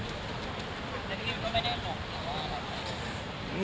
แล้วพี่ก็ไม่ได้โรคหรือเปล่า